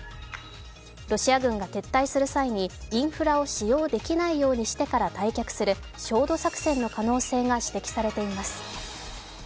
ロシア軍が撤退する際にインフラを使用できないようにしてから退却する焦土作戦の可能性が指摘されています。